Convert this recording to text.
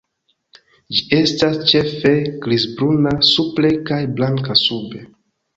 Ĝi estas ĉefe grizbruna supre kaj blanka sube.